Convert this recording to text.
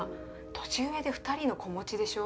年上で２人の子持ちでしょ？